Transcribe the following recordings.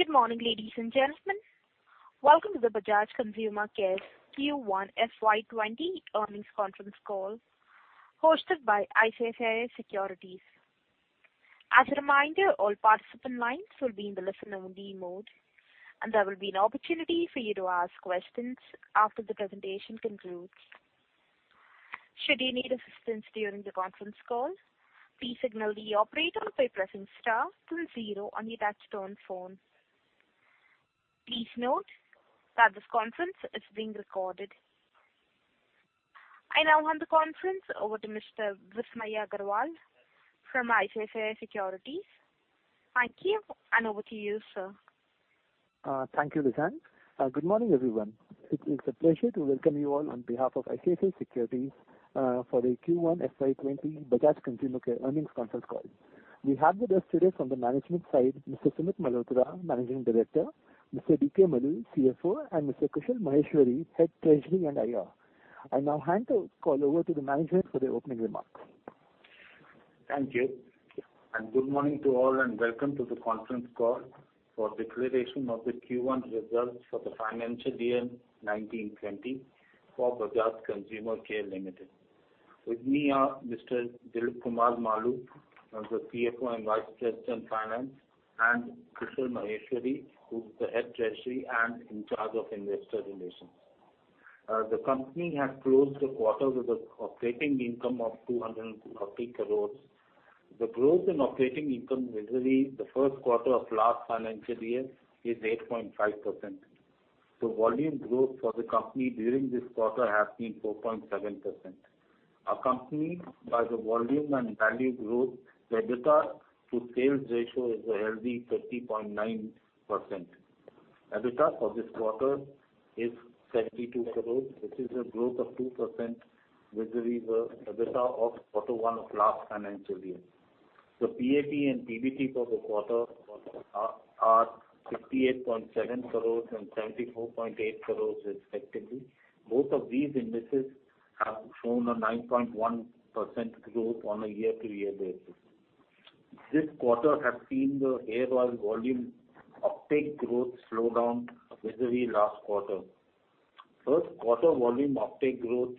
Good morning, ladies and gentlemen. Welcome to the Bajaj Consumer Care Q1 FY 2020 earnings conference call hosted by ICICI Securities. As a reminder, all participant lines will be in the listen-only mode, and there will be an opportunity for you to ask questions after the presentation concludes. Should you need assistance during the conference call, please signal the operator by pressing star two zero on your touchtone phone. Please note that this conference is being recorded. I now hand the conference over to Mr. Vismaya Agarwal from ICICI Securities. Thank you, and over to you, sir. Thank you, Lizanne. Good morning, everyone. It is a pleasure to welcome you all on behalf of ICICI Securities for the Q1 FY 2020 Bajaj Consumer Care earnings conference call. We have with us today from the management side, Mr. Sumit Malhotra, Managing Director, Mr. DK Maloo, CFO, and Mr. Kushal Maheshwari, Head Treasury and IR. I now hand the call over to the management for the opening remarks. Good morning to all and welcome to the conference call for declaration of the Q1 results for the financial year 2019-2020 for Bajaj Consumer Care Limited. With me are Mr. Dilip Kumar Maloo, who is the CFO and Vice President, Finance, and Kushal Maheshwari, who's the Head Treasury and in charge of investor relations. The company has closed the quarter with an operating income of 230 crores. The growth in operating income vis-a-vis the first quarter of last financial year is 8.5%. Volume growth for the company during this quarter has been 4.7%. Accompanied by the volume and value growth, the EBITDA to sales ratio is a healthy 30.9%. EBITDA for this quarter is 72 crores, which is a growth of 2% vis-a-vis the EBITDA of quarter one of last financial year. The PAT and PBT for the quarter are 58.7 crores and 74.8 crores respectively. Both of these indices have shown a 9.1% growth on a year-to-year basis. This quarter has seen the hair oil volume uptake growth slow down vis-a-vis last quarter. First quarter volume uptake growth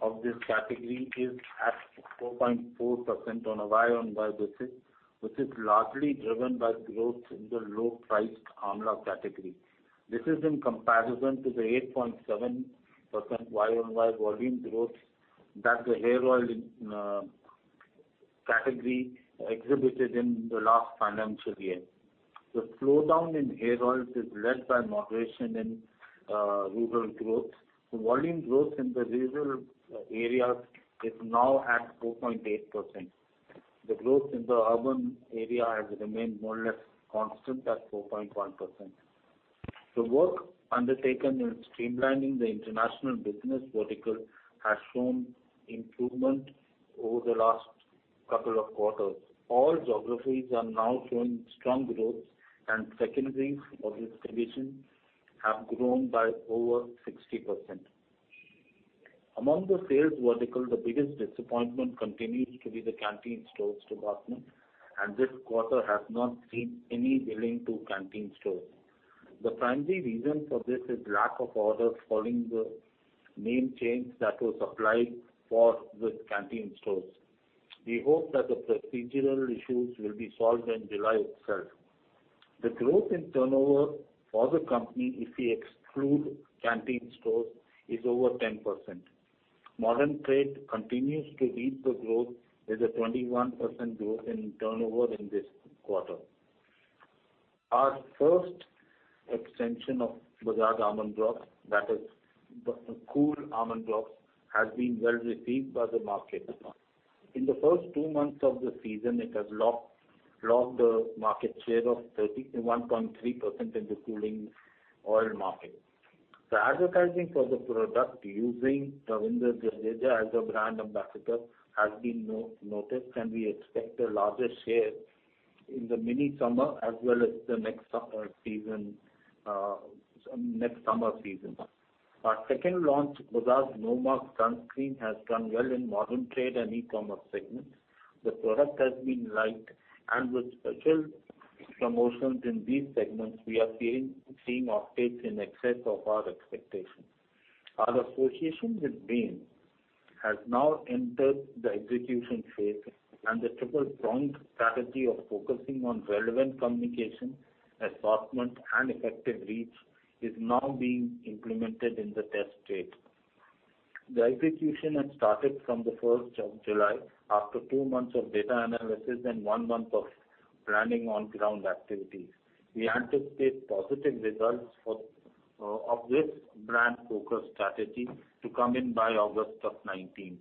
of this category is at 4.4% on a year-on-year basis, which is largely driven by growth in the low-priced Amla category. This is in comparison to the 8.7% year-on-year volume growth that the hair oil category exhibited in the last financial year. The slowdown in hair oils is led by moderation in rural growth. The volume growth in the rural areas is now at 4.8%. The growth in the urban area has remained more or less constant at 4.1%. The work undertaken in streamlining the international business vertical has shown improvement over the last couple of quarters. All geographies are now showing strong growth and secondaries of this division have grown by over 60%. Among the sales vertical, the biggest disappointment continues to be the Canteen Stores Department. This quarter has not seen any billing to Canteen Stores. The primary reason for this is lack of orders following the name change that was applied for with Canteen Stores. We hope that the procedural issues will be solved in July itself. The growth in turnover for the company, if we exclude Canteen Stores, is over 10%. Modern trade continues to lead the growth with a 21% growth in turnover in this quarter. Our first extension of Bajaj Almond Drops, that is Cool Almond Drops, has been well received by the market. In the first two months of the season, it has logged a market share of 31.3% in the cooling oil market. The advertising for the product using Ravindra Jadeja as a brand ambassador has been noticed. We expect a larger share in the mini summer as well as the next summer season. Our second launch, Bajaj Nomarks Sunscreen, has done well in modern trade and e-commerce segments. The product has been liked. With special promotions in these segments, we are seeing uptake in excess of our expectations. Our association with Bain has now entered the execution phase. The triple point strategy of focusing on relevant communication, assortment, and effective reach is now being implemented in the test state. The execution had started from the 1st of July after two months of data analysis and one month of planning on-ground activities. We anticipate positive results of this brand focus strategy to come in by August of 2019.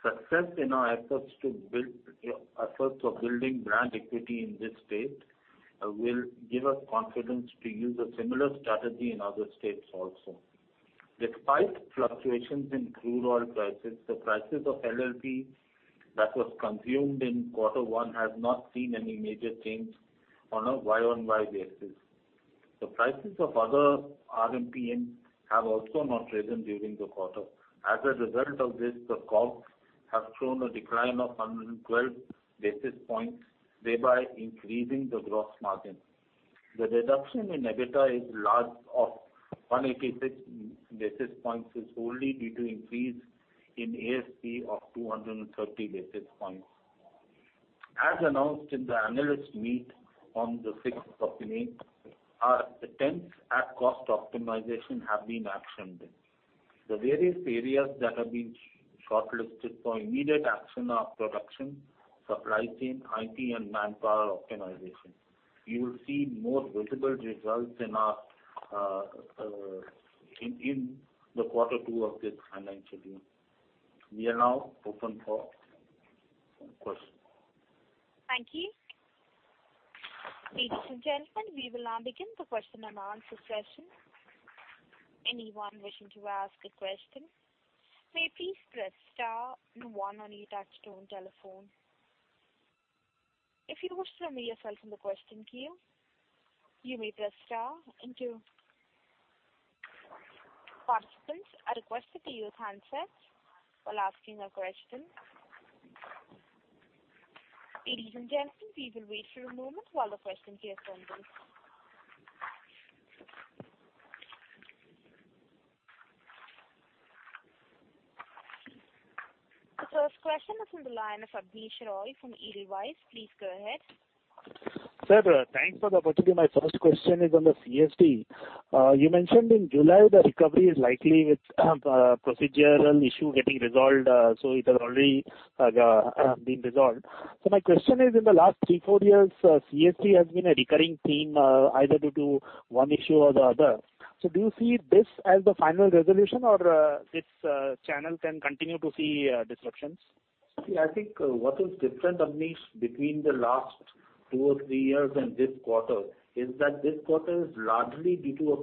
Success in our efforts for building brand equity in this state will give us confidence to use a similar strategy in other states also. Despite fluctuations in crude oil prices, the prices of LLP that was consumed in quarter one have not seen any major change on a year-over-year basis. The prices of other RMPM have also not risen during the quarter. As a result of this, the COGS have shown a decline of 112 basis points, thereby increasing the gross margin. The reduction in EBITDA is large of 186 basis points, is only due to increase in A&SP of 230 basis points. As announced in the analyst meet on the 6th of May, our attempts at cost optimization have been actioned. The various areas that have been shortlisted for immediate action are production, supply chain, IT, and manpower optimization. You will see more visible results in the quarter two of this financial year. We are now open for questions. Thank you. Ladies and gentlemen, we will now begin the question-and-answer session. Anyone wishing to ask a question, may please press star one on your touch-tone telephone. If you wish to remove yourself from the question queue, you may press star two. Participants, I request that you use handsets while asking a question. Ladies and gentlemen, we will wait for a moment while the questions get funneled. The first question is on the line of Abneesh Roy from Edelweiss. Please go ahead. Sir, thanks for the opportunity. My first question is on the CSD. You mentioned in July the recovery is likely with a procedural issue getting resolved, it has already been resolved. My question is, in the last three, four years, CSD has been a recurring theme either due to one issue or the other. Do you see this as the final resolution, or this channel can continue to see disruptions? See, I think what is different, Abneesh, between the last two or three years and this quarter is that this quarter is largely due to a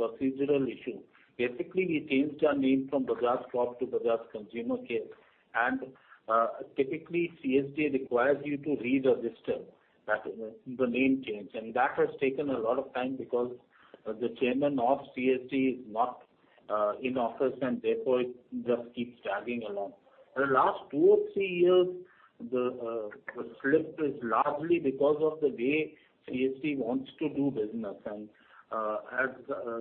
procedural issue. Basically, we changed our name from Bajaj Corp to Bajaj Consumer Care. Typically, CSD requires you to re-register the name change. That has taken a lot of time because the chairman of CSD is not in office, therefore it just keeps dragging along. The last two or three years, the slip is largely because of the way CSD wants to do business. As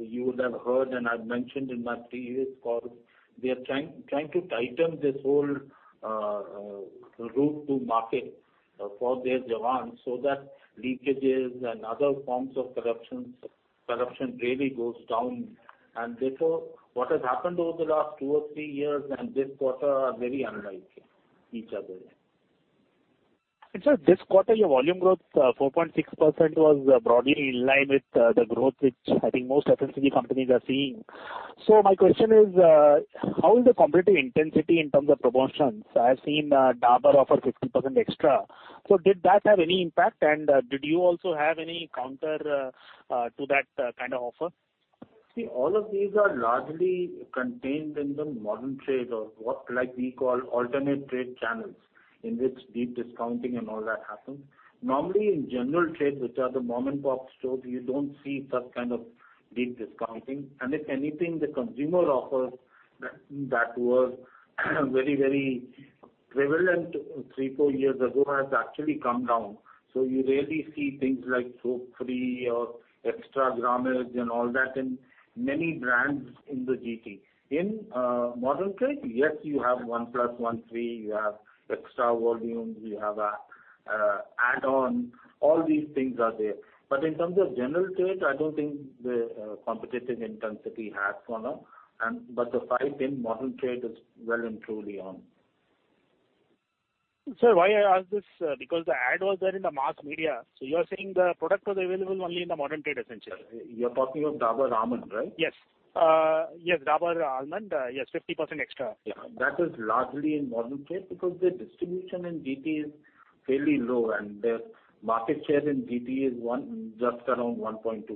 you would have heard, and I've mentioned in my previous calls, they're trying to tighten this whole route to market for their so that leakages and other forms of corruption really goes down. Therefore, what has happened over the last two or three years and this quarter are very unlike each other. Sir, this quarter, your volume growth, 4.6%, was broadly in line with the growth, which I think most FMCG companies are seeing. My question is, how is the competitive intensity in terms of promotions? I have seen Dabur offer 50% extra. Did that have any impact, and did you also have any counter to that kind of offer? All of these are largely contained in the modern trade, or what we call alternate trade channels, in which deep discounting and all that happens. Normally, in general trade, which are the mom-and-pop stores, you don't see such kind of deep discounting. If anything, the consumer offers that were very prevalent three, four years ago has actually come down. You rarely see things like soap free or extra grammage and all that in many brands in the GT. In modern trade, yes, you have one plus one free, you have extra volume, you have add-on, all these things are there. In terms of general trade, I don't think the competitive intensity has gone up. The fight in modern trade is well and truly on. Sir, why I ask this, because the ad was there in the mass media, you are saying the product was available only in the modern trade, essentially. You're talking of Dabur Almond, right? Yes. Dabur Almond, yes, 50% extra. Yeah. That is largely in modern trade because their distribution in GT is fairly low, and their market share in GT is just around 1.2%.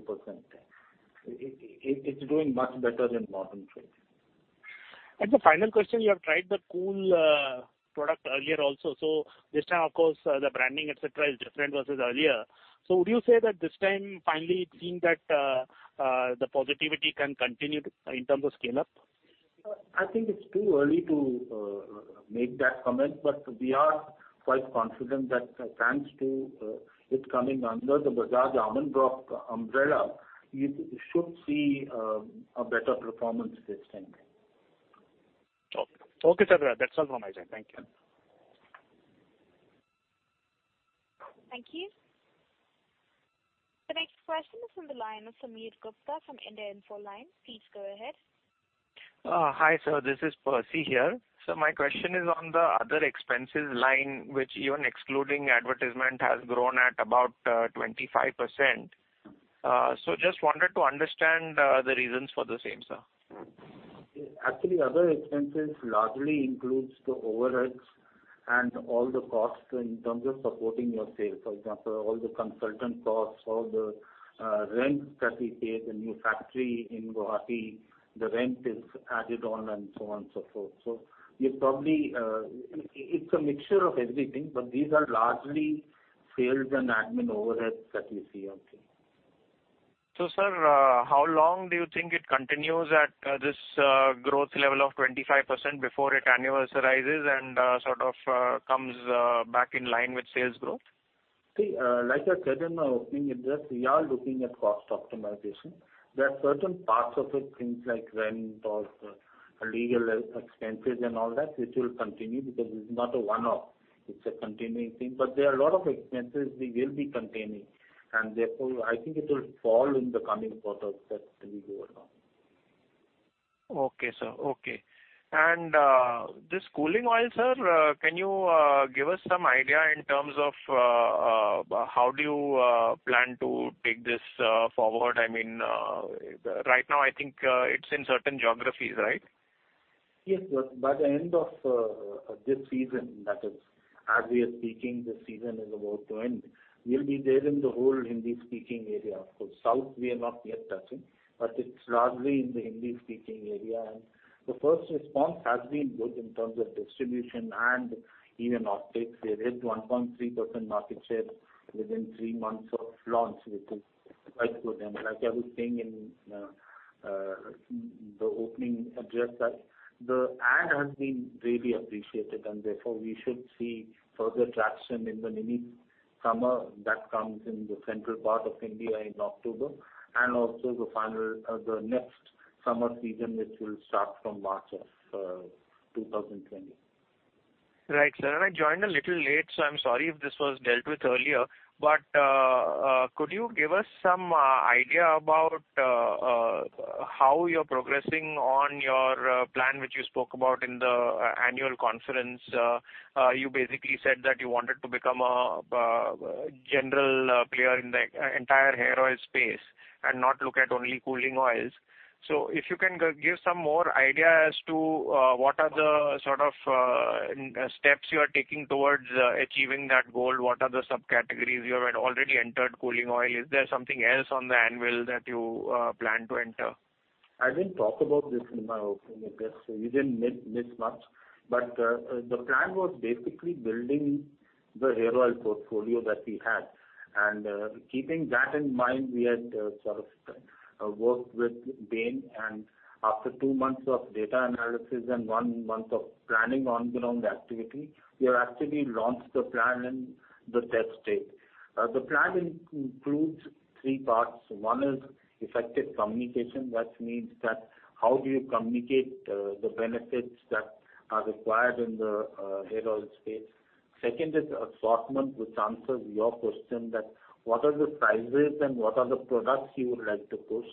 It is doing much better in modern trade. The final question, you have tried the Cool product earlier also. This time, of course, the branding, et cetera, is different versus earlier. Would you say that this time, finally it seems that the positivity can continue in terms of scale-up? I think it's too early to make that comment, but we are quite confident that thanks to it coming under the Bajaj Almond brand umbrella, it should see a better performance this time. Okay. Okay, sir. That's all from my side. Thank you. Thank you. The next question is on the line of Sameer Gupta from India Infoline. Please go ahead. Hi, sir, this is Percy here. Sir, my question is on the other expenses line, which even excluding advertisement, has grown at about 25%. Just wanted to understand the reasons for the same, sir. Actually, other expenses largely includes the overheads and all the costs in terms of supporting your sales. For example, all the consultant costs, all the rents that we pay, the new factory in Guwahati, the rent is added on, and so on and so forth. It's a mixture of everything, but these are largely sales and admin overheads that you see out there. Sir, how long do you think it continues at this growth level of 25% before it annualizes and sort of comes back in line with sales growth? Like I said in my opening address, we are looking at cost optimization. There are certain parts of it, things like rent or legal expenses and all that, which will continue because it is not a one-off, it's a continuing thing. There are a lot of expenses we will be containing, therefore, I think it will fall in the coming quarters as we go along. Okay, sir. This cooling oil, sir, can you give us some idea in terms of how do you plan to take this forward? Right now, I think it's in certain geographies, right? By the end of this season, that is, as we are speaking, this season is about to end. We'll be there in the whole Hindi-speaking area. Of course, south, we are not yet touching, it's largely in the Hindi-speaking area. The first response has been good in terms of distribution and even off takes. We hit 1.3% market share within three months of launch, which is quite good. Like I was saying in the opening address, that the ad has been really appreciated, therefore, we should see further traction in the mini summer that comes in the central part of India in October, and also the next summer season, which will start from March of 2020. Right, sir. I joined a little late, I'm sorry if this was dealt with earlier. Could you give us some idea about how you're progressing on your plan, which you spoke about in the annual conference? You basically said that you wanted to become a general player in the entire hair oil space and not look at only cooling oils. If you can give some more idea as to what are the sort of steps you are taking towards achieving that goal, what are the subcategories you have had already entered cooling oil? Is there something else on the anvil that you plan to enter? I didn't talk about this in my opening address, you didn't miss much. The plan was basically building the hair oil portfolio that we had, and keeping that in mind, we had sort of worked with Bain, and after two months of data analysis and one month of planning ongoing activity, we have actually launched the plan in the test state. The plan includes three parts. One is effective communication, that means that how do you communicate the benefits that are required in the hair oil space. Second is assortment, which answers your question that what are the prices and what are the products you would like to push.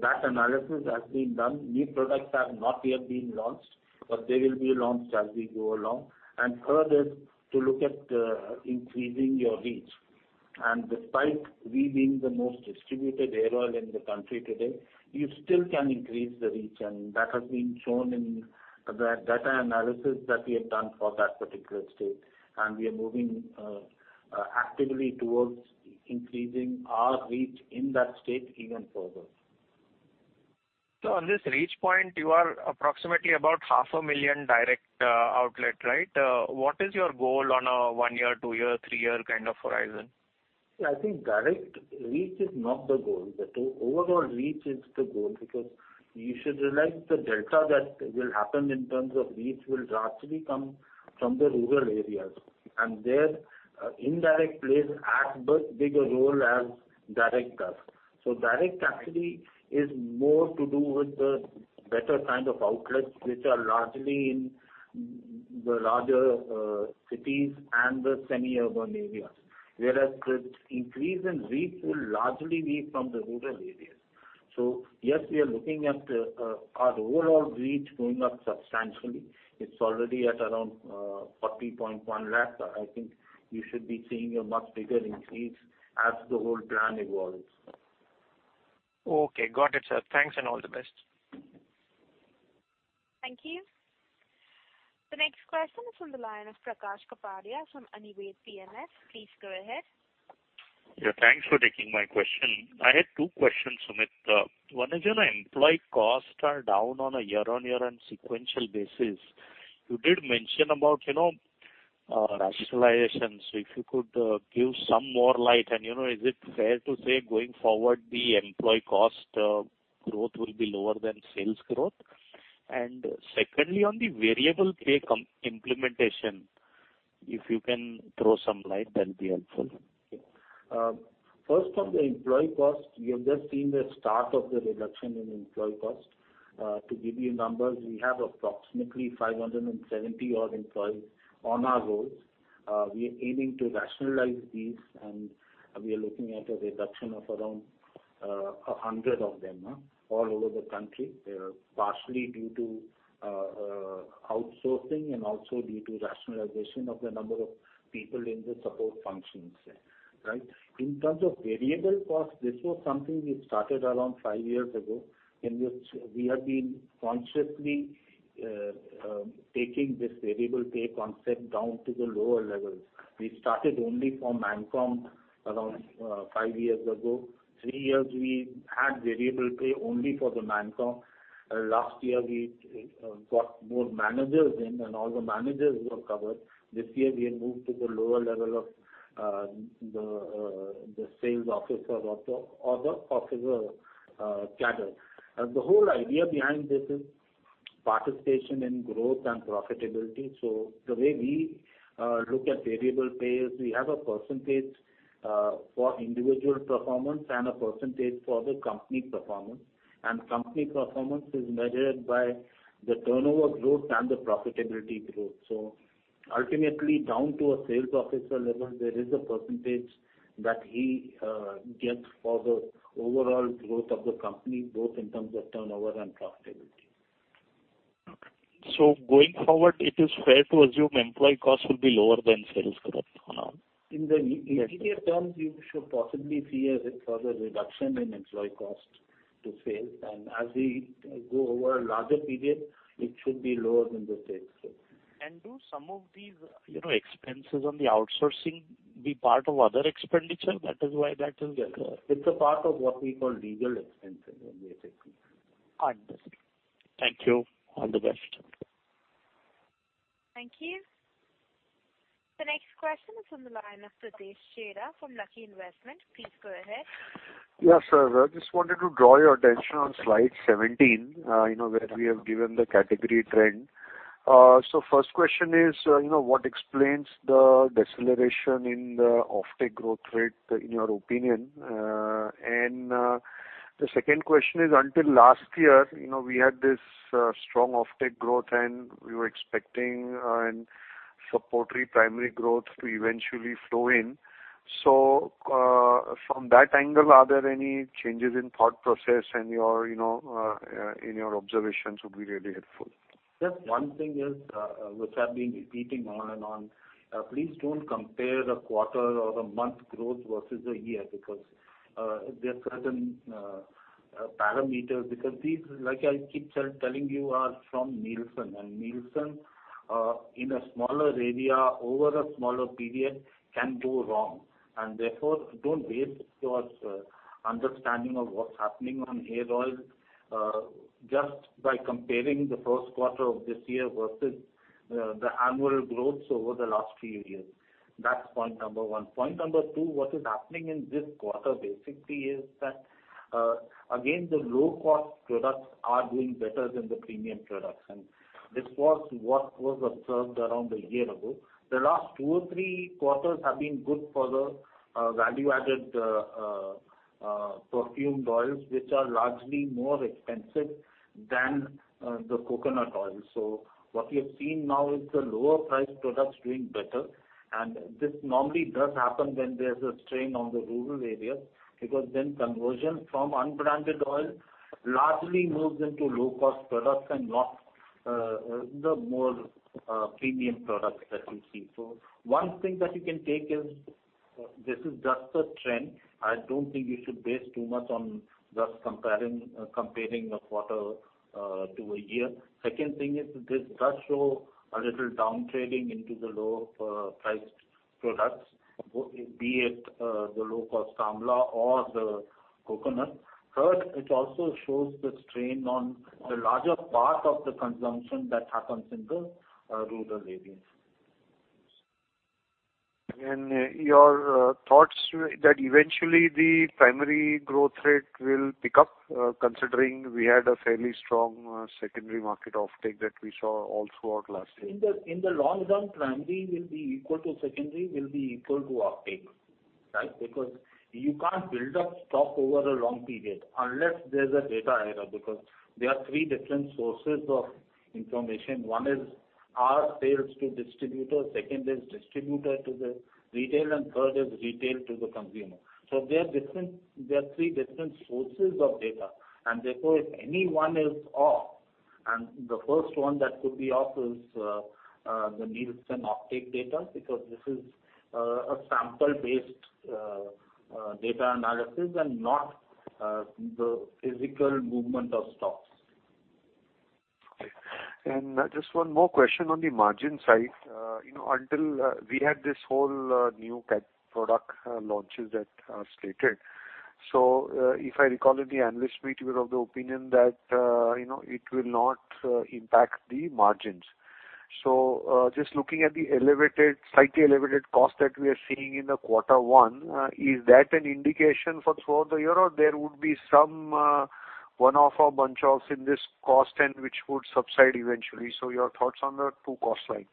That analysis has been done. New products have not yet been launched, but they will be launched as we go along. Third is to look at increasing your reach. Despite we being the most distributed hair oil in the country today, you still can increase the reach. That has been shown in the data analysis that we have done for that particular state. We are moving actively towards increasing our reach in that state even further. On this reach point, you are approximately about half a million direct outlet, right? What is your goal on a one-year, two-year, three-year kind of horizon? I think direct reach is not the goal. The overall reach is the goal because you should realize the delta that will happen in terms of reach will largely come from the rural areas. There, indirect plays as big a role as direct does. Direct actually is more to do with the better kind of outlets, which are largely in the larger cities and the semi-urban areas. Whereas the increase in reach will largely be from the rural areas. Yes, we are looking at our overall reach going up substantially. It's already at around 40.1 lakh. I think you should be seeing a much bigger increase as the whole plan evolves. Okay. Got it, sir. Thanks and all the best. Thank you. The next question is from the line of Prakash Kapadia from Anived PMS. Please go ahead. Yeah, thanks for taking my question. I had two questions, Sumit. One is on employee costs are down on a year-on-year and sequential basis. You did mention about rationalizations, if you could give some more light, and is it fair to say going forward, the employee cost growth will be lower than sales growth? Secondly, on the variable pay implementation, if you can throw some light, that'll be helpful. First, on the employee cost, you have just seen the start of the reduction in employee cost. To give you numbers, we have approximately 570 odd employees on our rolls. We are aiming to rationalize these, and we are looking at a reduction of around 100 of them all over the country, partially due to outsourcing and also due to rationalization of the number of people in the support functions. In terms of variable cost, this was something we started around five years ago, in which we have been consciously taking this variable pay concept down to the lower levels. We started only for ManCom around five years ago. Three years, we had variable pay only for the ManCom. Last year we got more managers in and all the managers were covered. This year we have moved to the lower level of the sales officer or the officer cadre. The whole idea behind this is. Participation in growth and profitability. The way we look at variable pay is we have a percentage for individual performance and a percentage for the company performance. Company performance is measured by the turnover growth and the profitability growth. Ultimately, down to a sales officer level, there is a percentage that he gets for the overall growth of the company, both in terms of turnover and profitability. Going forward, it is fair to assume employee costs will be lower than sales growth now? In the immediate terms, you should possibly see a further reduction in employee cost to sales. As we go over a larger period, it should be lower than the sales growth. Do some of these expenses on the outsourcing be part of other expenditure? It's a part of what we call legal expenses, basically. Understood. Thank you. All the best. Thank you. The next question is on the line of Pritesh Chheda from Lucky Investment. Please go ahead. Yes, sir. I just wanted to draw your attention on slide 17, where we have given the category trend. First question is, what explains the deceleration in the offtake growth rate in your opinion? The second question is, until last year, we had this strong offtake growth, and we were expecting a supportive primary growth to eventually flow in. From that angle, are there any changes in thought process, any of your observations would be really helpful. Just one thing is, which I've been repeating on and on, please don't compare the quarter or the month growth versus a year, because there are certain parameters. These, like I keep telling you, are from Nielsen, and Nielsen, in a smaller area over a smaller period, can go wrong. Therefore, don't base your understanding of what's happening on hair oil just by comparing the first quarter of this year versus the annual growths over the last few years. That's point number one. Point number two, what is happening in this quarter basically is that, again, the low-cost products are doing better than the premium products. This was what was observed around a year ago. The last two or three quarters have been good for the value-added perfumed oils, which are largely more expensive than the coconut oil. What we have seen now is the lower-priced products doing better, and this normally does happen when there's a strain on the rural areas. Then conversion from unbranded oil largely moves into low-cost products and not the more premium products that we see. One thing that you can take is, this is just a trend. I don't think you should base too much on just comparing the quarter to a year. Second thing is this does show a little down trading into the lower-priced products, be it the low-cost Amla or the coconut. Third, it also shows the strain on the larger part of the consumption that happens in the rural areas. Your thoughts that eventually the primary growth rate will pick up, considering we had a fairly strong secondary market offtake that we saw all throughout last year. In the long run, primary will be equal to secondary will be equal to offtake, right? You can't build up stock over a long period unless there's a data error, because there are three different sources of information. One is our sales to distributors, second is distributor to the retail, and third is retail to the consumer. There are three different sources of data. Therefore, if any one is off, and the first one that could be off is the Nielsen offtake data, because this is a sample-based data analysis and not the physical movement of stocks. Just one more question on the margin side. Until we had this whole new category product launches that are stated. If I recall at the analyst meet, you were of the opinion that it will not impact the margins. Just looking at the slightly elevated cost that we are seeing in the quarter one, is that an indication for throughout the year or there would be some one-off or bunch offs in this cost and which would subside eventually? Your thoughts on the two cost sides.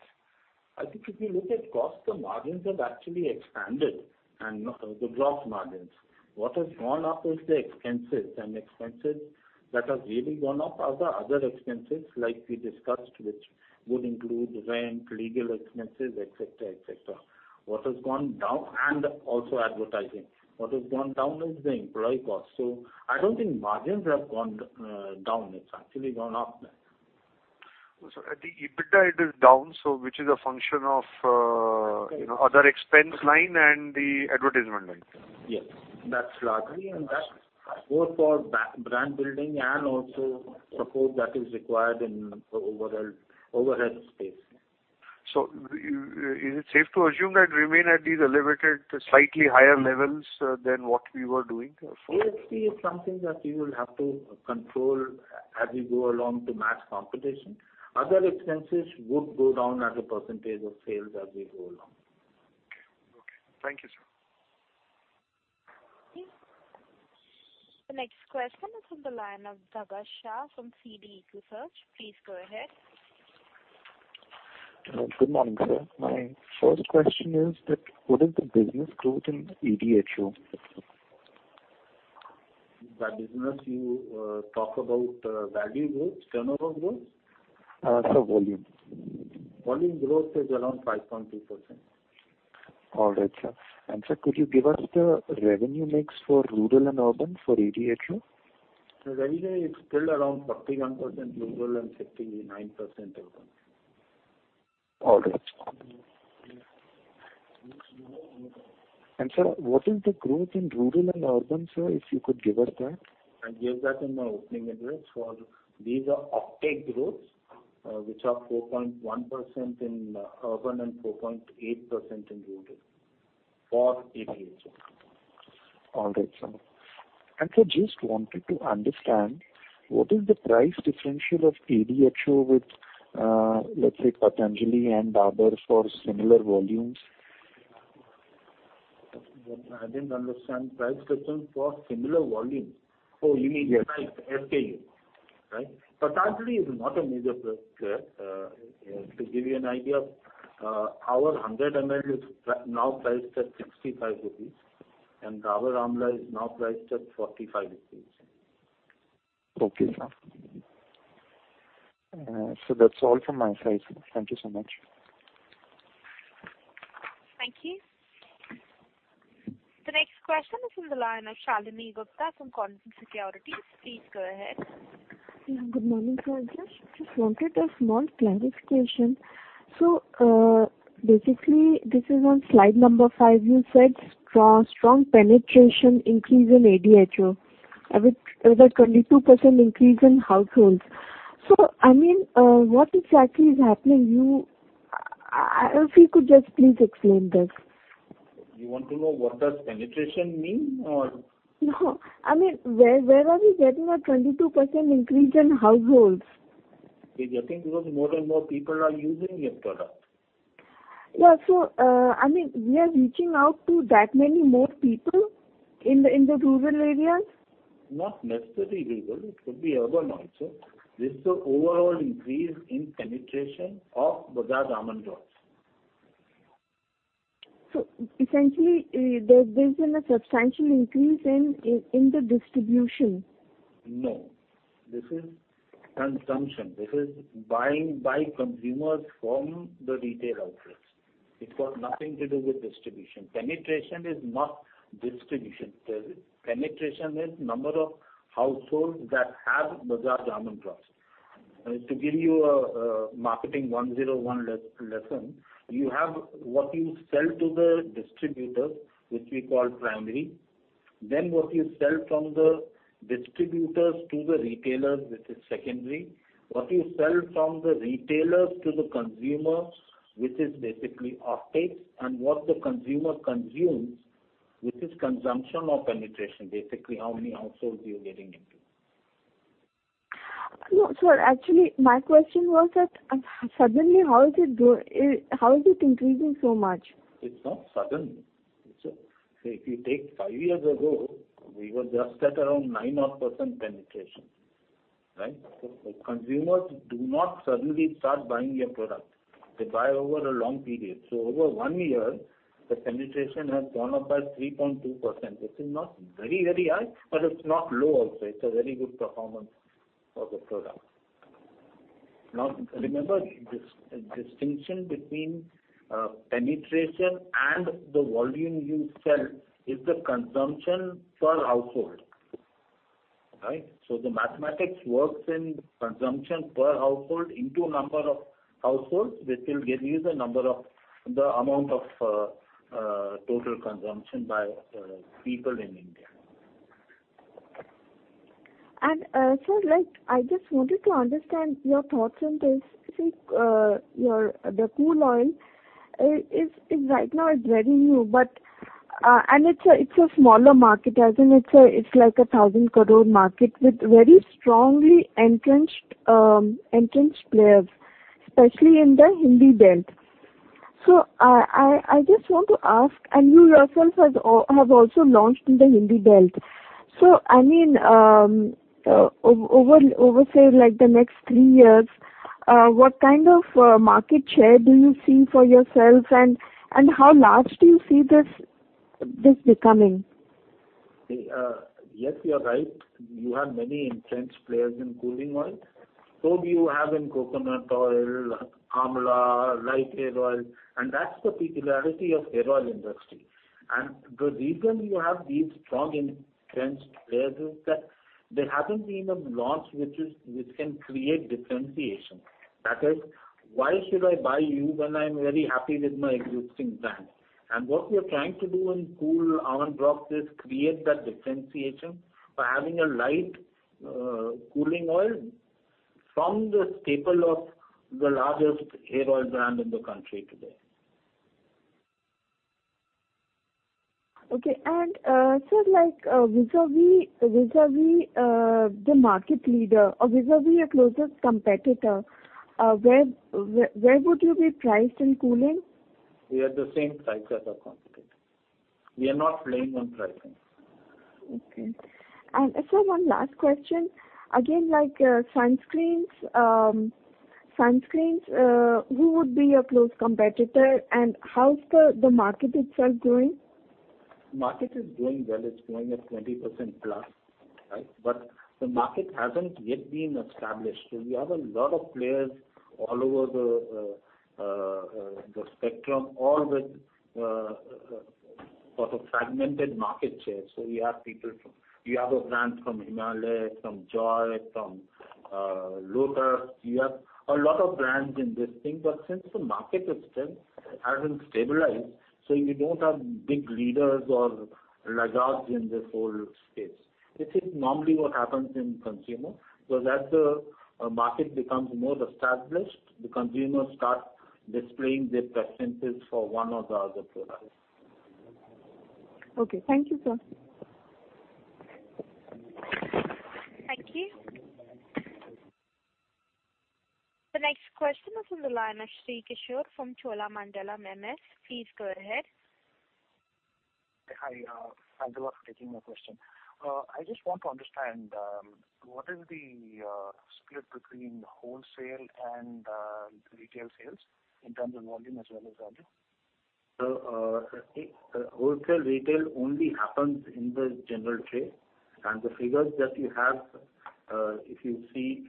I think if you look at cost, the margins have actually expanded and the gross margins. What has gone up is the expenses that has really gone up are the other expenses, like we discussed, which would include rent, legal expenses, et cetera, and also advertising. What has gone down is the employee cost. I don't think margins have gone down. It's actually gone up. At the EBITDA, it is down, which is a function of other expense line and the advertisement line. Yes. That's largely. That's both for brand building and also support that is required in the overhead space. Is it safe to assume that remain at these elevated to slightly higher levels than what we were doing before? A&P is something that we will have to control as we go along to match competition. Other expenses would go down as a percentage of sales as we go along. Okay. Thank you, sir. The next question is from the line of Daga Shah from CD Research. Please go ahead. Good morning, sir. My first question is that what is the business growth in ADHO? By business, you talk about value growth, turnover growth? Sir, volume. Volume growth is around 5.2%. All right, sir. Sir, could you give us the revenue mix for rural and urban for ADHO? The revenue is still around 31% rural and 59% urban. All right. Sir, what is the growth in rural and urban, sir? If you could give us that. I gave that in my opening address. These are offtake growths, which are 4.1% in urban and 4.8% in rural for ADHO. All right, sir. Sir, just wanted to understand what is the price differential of ADHO with, let's say, Patanjali and others for similar volumes? I didn't understand. Price difference for similar volumes. Oh, you mean. Yes SKU, right. Patanjali is not a major player. To give you an idea, our 100 ml is now priced at 65 rupees, and the other Amla is now priced at 45 rupees. Okay, sir. That's all from my side, sir. Thank you so much. Thank you. The next question is from the line of Shalini Gupta from Quantum Securities. Please go ahead. Good morning, sir. Just wanted a small clarification. Basically, this is on slide number five. You said strong penetration increase in ADHO with a 22% increase in households. What exactly is happening? If you could just please explain this. You want to know what does penetration mean? No, where are we getting a 22% increase in households? I think because more and more people are using your product. Yeah. We are reaching out to that many more people in the rural areas? Not necessarily rural. It could be urban also. This is the overall increase in penetration of Bajaj Almond Drops. Essentially, there's been a substantial increase in the distribution. No. This is consumption. This is buying by consumers from the retail outlets. It's got nothing to do with distribution. Penetration is not distribution. Penetration is number of households that have Bajaj Almond Drops. To give you a marketing 101 lesson, you have what you sell to the distributors, which we call primary, then what you sell from the distributors to the retailers, which is secondary, what you sell from the retailers to the consumer, which is basically offtake, and what the consumer consumes, which is consumption or penetration. Basically, how many households you're getting into. No, sir. Actually, my question was that suddenly how is it increasing so much? It's not suddenly. If you take five years ago, we were just at around 9%-odd penetration. Right? Consumers do not suddenly start buying your product. They buy over a long period. Over one year, the penetration has gone up by 3.2%. This is not very high, but it's not low also. It's a very good performance of the product. Now, remember, distinction between penetration and the volume you sell is the consumption per household. Right? The mathematics works in consumption per household into number of households, which will give you the amount of total consumption by people in India. Sir, I just wanted to understand your thoughts on this. I think the Cool oil, right now it's very new. It's a smaller market, as in it's like 1,000 crore market with very strongly entrenched players, especially in the Hindi belt. I just want to ask, and you yourself have also launched in the Hindi belt. Over, say, the next three years, what kind of market share do you see for yourself, and how large do you see this becoming? Yes, you are right. You have many entrenched players in cooling oil. Do you have in coconut oil, Amla, light hair oil, and that's the peculiarity of hair oil industry. The reason you have these strong entrenched players is that there hasn't been a launch which can create differentiation. That is, why should I buy you when I'm very happy with my existing brand? What we are trying to do in Cool Almond Drops is create that differentiation by having a light cooling oil from the staple of the largest hair oil brand in the country today. Okay. Sir, vis-à-vis the market leader or vis-à-vis your closest competitor, where would you be priced in cooling? We are the same price as our competitors. We are not playing on pricing. Okay. Sir, one last question. Again, like sunscreens, who would be your close competitor and how is the market itself growing? Market is growing well. It's growing at 20% plus. The market hasn't yet been established. We have a lot of players all over the spectrum, all with sort of fragmented market share. You have a brand from Himalaya, from Joy, from Lotus. You have a lot of brands in this thing, but since the market itself hasn't stabilized, you don't have big leaders or laggards in this whole space. This is normally what happens in consumer. As the market becomes more established, the consumers start displaying their preferences for one or the other product. Okay. Thank you, sir. Thank you. The next question is on the line of Sri Kishore from Cholamandalam MS. Please go ahead. Hi. Thanks a lot for taking my question. I just want to understand, what is the split between wholesale and retail sales in terms of volume as well as value? Wholesale, retail only happens in the general trade. The figures that you have, if you see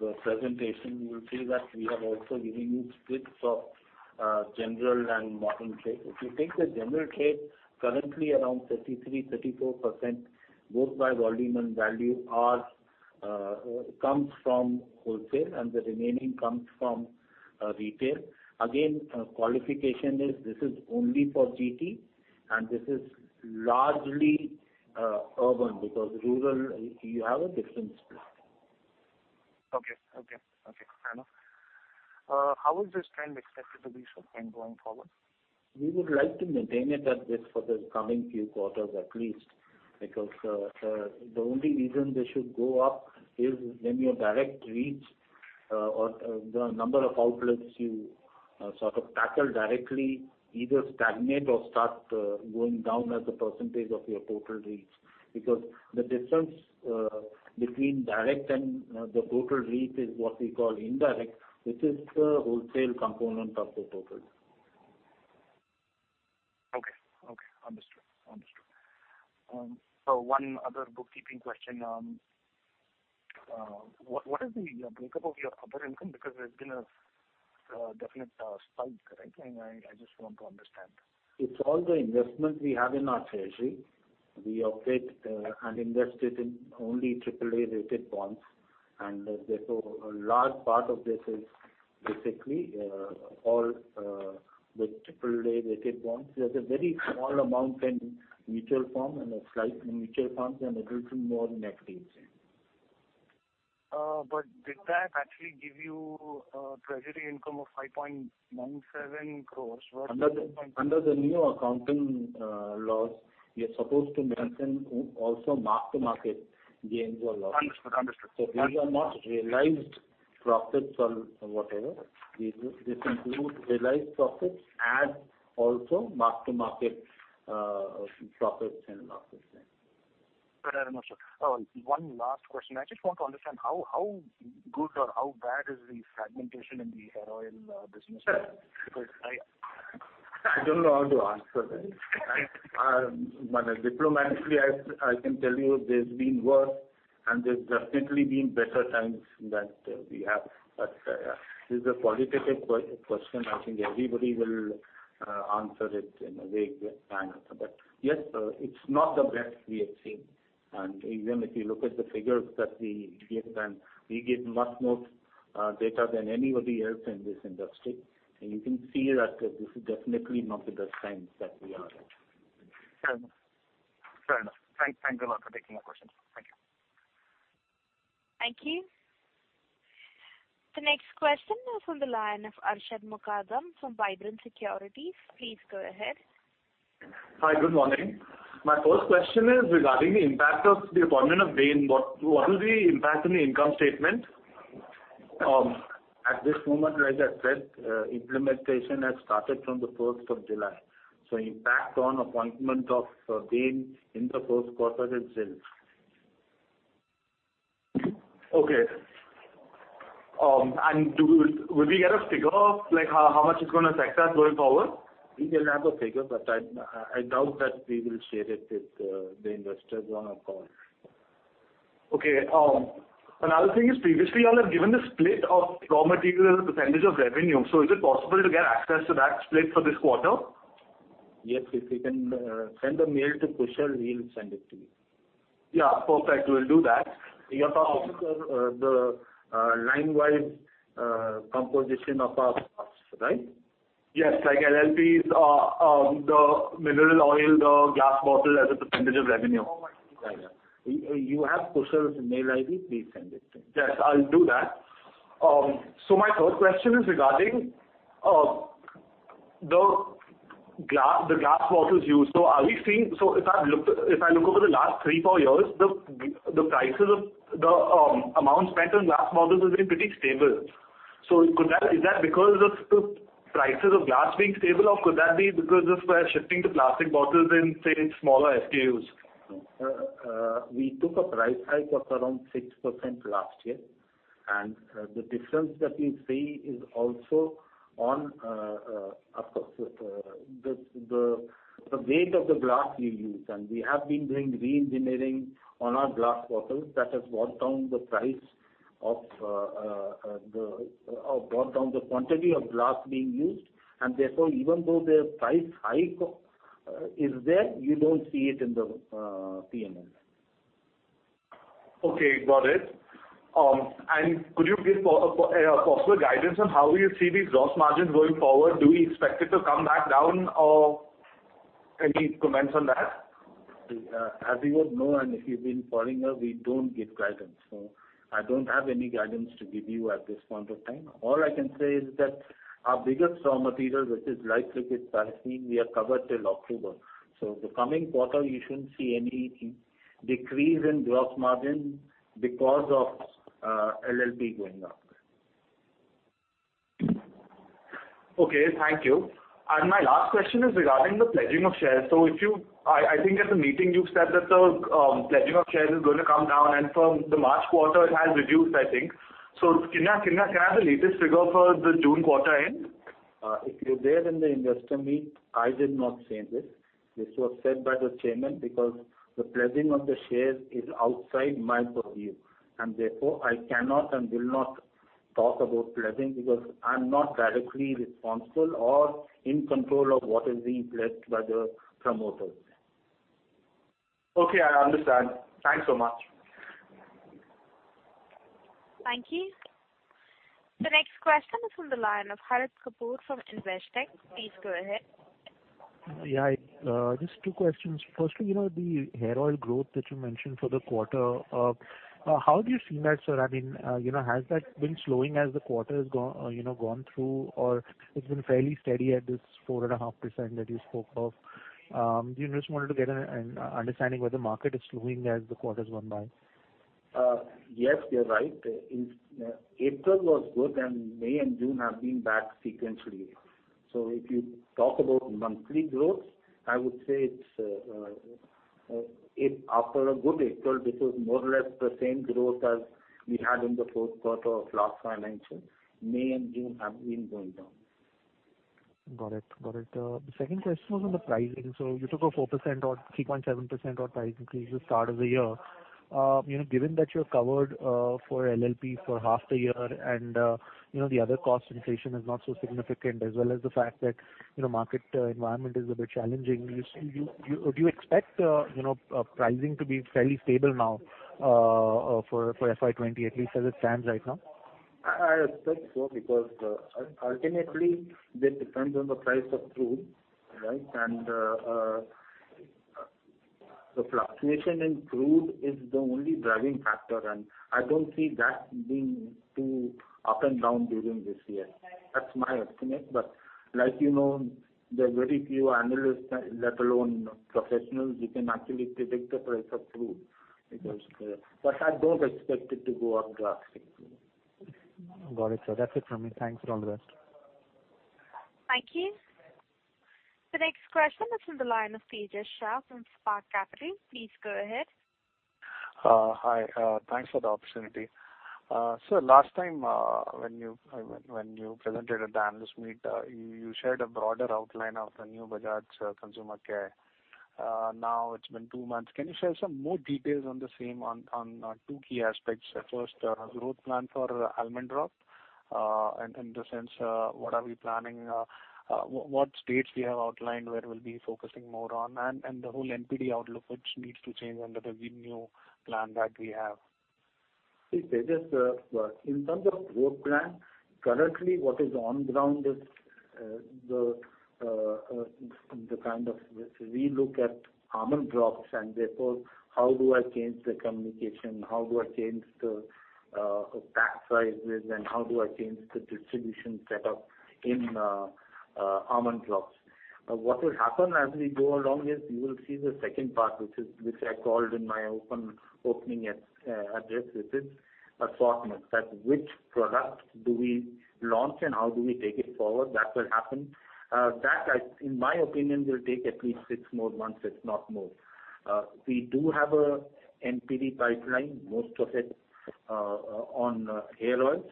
the presentation, you will see that we have also given you splits of general and modern trade. If you take the general trade, currently around 33%-34%, both by volume and value, comes from wholesale, and the remaining comes from retail. Again, qualification is this is only for GT, and this is largely urban because rural, you have a different split. Okay. Fair enough. How is this trend expected to be sustained going forward? We would like to maintain it at this for the coming few quarters at least, the only reason this should go up is when your direct reach or the number of outlets you sort of tackle directly either stagnate or start going down as a percentage of your total reach. The difference between direct and the total reach is what we call indirect. This is the wholesale component of the total. Okay. Understood. One other bookkeeping question. What is the breakup of your other income? There's been a definite spike. I just want to understand. It's all the investment we have in our treasury. We update and invest it in only AAA-rated bonds. Therefore, a large part of this is basically all the AAA-rated bonds. There's a very small amount in mutual funds and a little more in equities. Did that actually give you a treasury income of 5.97 crores? Under the new accounting laws, we are supposed to mention also mark-to-market gains or losses. Understood. These are not realized profits or whatever. This includes realized profits and also mark-to-market profits and losses. Fair enough, sir. One last question. I just want to understand how good or how bad is the fragmentation in the hair oil business? I don't know how to answer that. Diplomatically, I can tell you there's been worse, and there's definitely been better times that we have. This is a qualitative question. I think everybody will answer it in a vague manner. Yes, it's not the best we have seen. Even if you look at the figures that we give, and we give much more data than anybody else in this industry, and you can see that this is definitely not the best times that we are in. Fair enough. Thanks a lot for taking my question. Thank you. Thank you. The next question is on the line of Arshad Mukadam from Vibrant Securities. Please go ahead. Hi, good morning. My first question is regarding the impact of the appointment of Bain. What will be the impact on the income statement? At this moment, as I said, implementation has started from the 1st of July. Impact on appointment of Bain in the first quarter is nil. Okay. Will we get a figure of how much it's going to affect us going forward? We will have a figure, but I doubt that we will share it with the investors on a call. Okay. Another thing is previously you all have given the split of raw material percentage of revenue. Is it possible to get access to that split for this quarter? Yes. If you can send a mail to Kushal, he'll send it to you. Yeah, perfect. We'll do that. You're talking about the line-wide composition of our costs, right? Yes. Like LLPs, the mineral oil, the glass bottle as a % of revenue. You have Kushal's mail ID, please send it to him. Yes, I'll do that. My third question is regarding the glass bottles used. If I look over the last three, four years, the amount spent on glass bottles has been pretty stable. Is that because of the prices of glass being stable, or could that be because we're shifting to plastic bottles in, say, smaller SKUs? We took a price hike of around 6% last year, the difference that we see is also on, of course, the weight of the glass we use. We have been doing re-engineering on our glass bottles that has brought down the quantity of glass being used. Therefore, even though the price hike is there, you don't see it in the P&L. Okay, got it. Could you give possible guidance on how you see these gross margins going forward? Do we expect it to come back down, or any comments on that? As you would know, and if you've been following us, we don't give guidance. I don't have any guidance to give you at this point of time. All I can say is that our biggest raw material, which is light liquid paraffin, we are covered till October. The coming quarter, you shouldn't see any decrease in gross margin because of LLP going up. Okay. Thank you. My last question is regarding the pledging of shares. I think at the meeting you said that the pledging of shares is going to come down, and from the March quarter it has reduced, I think. Can I have the latest figure for the June quarter end? If you were there in the investor meet, I did not say this. This was said by the Chairman because the pledging of the shares is outside my purview, and therefore, I cannot and will not talk about pledging because I'm not directly responsible or in control of what is being pledged by the promoters. Okay, I understand. Thanks so much. Thank you. The next question is on the line of Harit Kapoor from Investec. Please go ahead. Just two questions. Firstly, the hair oil growth that you mentioned for the quarter, how do you see that, sir? Has that been slowing as the quarter has gone through, or it's been fairly steady at this 4.5% that you spoke of? We just wanted to get an understanding whether market is slowing as the quarter's gone by. Yes, you're right. April was good, and May and June have been bad sequentially. If you talk about monthly growth, I would say after a good April, this is more or less the same growth as we had in the fourth quarter of last financial. May and June have been going down. Got it. The second question was on the pricing. You took a 4% or 3.7% price increase at the start of the year. Given that you are covered for LLP for half the year and the other cost inflation is not so significant, as well as the fact that market environment is a bit challenging, do you expect pricing to be fairly stable now for FY 2020, at least as it stands right now? I expect so, because ultimately this depends on the price of crude. The fluctuation in crude is the only driving factor, and I don't see that being too up and down during this year. That's my estimate. Like you know, there are very few analysts, let alone professionals, who can actually predict the price of crude. I don't expect it to go up drastically. Got it, sir. That's it from me. Thanks a lot for the rest. Thank you. The next question is on the line of Tejas Shah from Spark Capital. Please go ahead. Hi. Thanks for the opportunity. Sir, last time when you presented at the analyst meet, you shared a broader outline of the new Bajaj Consumer Care. Now it's been two months. Can you share some more details on the same on two key aspects? First, growth plan for Almond Drops, in the sense, what are we planning? What states we have outlined where we'll be focusing more on, and the whole NPD outlook which needs to change under the new plan that we have. See, Tejas, in terms of growth plan, currently what is on ground is the kind of re-look at Almond Drops, and therefore, how do I change the communication, how do I change the pack sizes, and how do I change the distribution set up in Almond Drops? What will happen as we go along is you will see the second part, which I called in my opening address, which is assortment. That which product do we launch and how do we take it forward, that will happen. That, in my opinion, will take at least six more months, if not more. We do have a NPD pipeline, most of it on hair oils.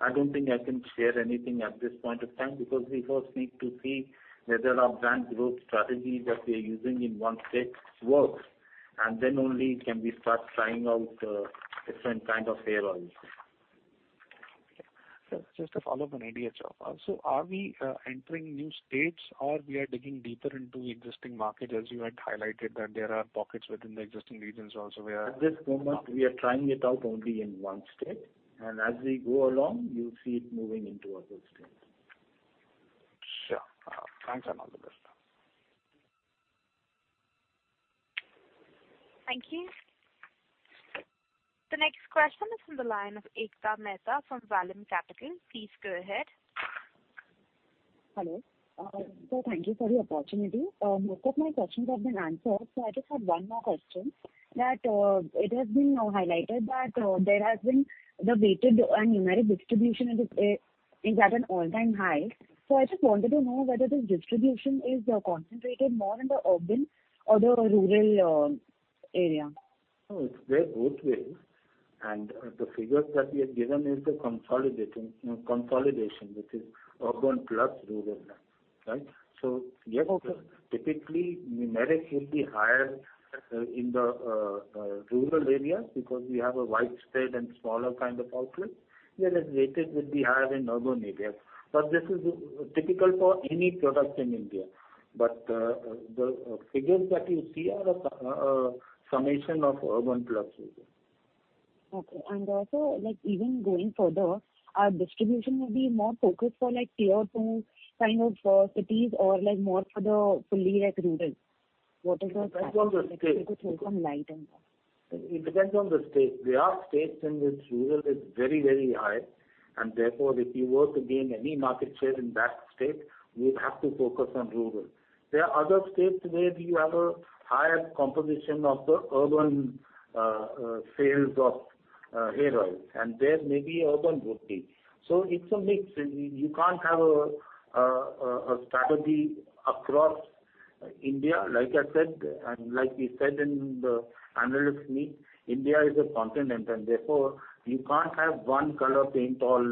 I don't think I can share anything at this point of time, because we first need to see whether our brand growth strategy that we are using in one state works, and then only can we start trying out different kind of hair oils. Okay. Sir, just a follow-up on ADHO. Are we entering new states or we are digging deeper into existing market, as you had highlighted that there are pockets within the existing regions also where. At this moment, we are trying it out only in one state, and as we go along, you will see it moving into other states. Sure. Thanks a lot for the rest. Thank you. The next question is from the line of Ekta Mehta from Vallum Capital. Please go ahead. Hello. Sir, thank you for the opportunity. Most of my questions have been answered. I just had one more question, that it has been highlighted that there has been the weighted and numeric distribution is at an all-time high. I just wanted to know whether this distribution is concentrated more in the urban or the rural area. No, it's there both ways, and the figures that we have given is the consolidation, which is urban plus rural. Yes, typically, numeric will be higher in the rural areas because we have a widespread and smaller kind of outlet. Whereas weighted would be higher in urban areas. This is typical for any product in India. The figures that you see are a summation of urban plus rural. Okay. Also, even going further, our distribution will be more focused for tier 2 kind of cities or more for the fully rural. What is the if you could throw some light on that. It depends on the state. There are states in which rural is very, very high, and therefore, if you were to gain any market share in that state, you would have to focus on rural. There are other states where you have a higher composition of the urban sales of hair oil, and there maybe urban would be. It's a mix. You can't have a strategy across India. Like we said in the analyst meet, India is a continent, and therefore, you can't have one color paint all